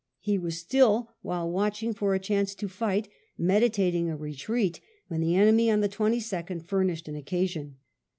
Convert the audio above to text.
He was still, while watching for a chance to fight, medi tating a retreat when the enemy on the 22nd furnished an occasion.